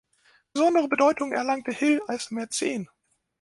Besondere Bedeutung erlangte Hill als Mäzen.